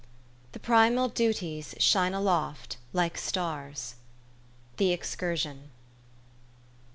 The primal duties shine aloft, like stars." THE EXCURSION.